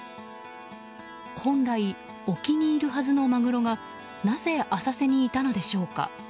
本来、沖にいるはずのマグロがなぜ浅瀬にいたのでしょうか。